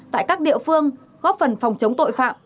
tại các địa phương góp phần phòng chống tội phạm